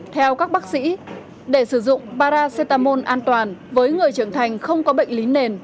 theo các bác sĩ để sử dụng paracetamol an toàn với người trưởng thành không có bệnh lý nền